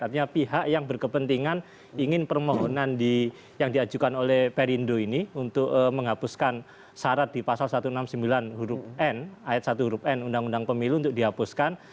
artinya pihak yang berkepentingan ingin permohonan yang diajukan oleh perindo ini untuk menghapuskan syarat di pasal satu ratus enam puluh sembilan huruf n ayat satu huruf n undang undang pemilu untuk dihapuskan